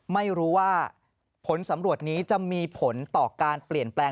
ไม่รู้ว่าผลสำรวจนี้จะมีผลต่อการเปลี่ยนแปลง